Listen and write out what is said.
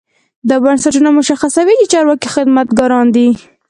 دا بنسټونه مشخصوي چې چارواکي خدمتګاران دي.